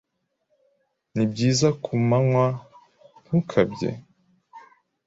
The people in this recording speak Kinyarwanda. ni byiza kuwunywa ntukabye